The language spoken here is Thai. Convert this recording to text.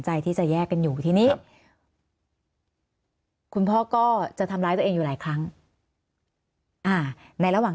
ใจที่จะแยกกันอยู่ทีนี้คุณพ่อก็จะทำร้ายตัวเองอยู่หลายครั้งอ่าในระหว่าง